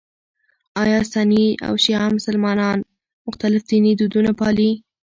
ایا سني او شیعه مسلمانان مختلف ديني دودونه پالي؟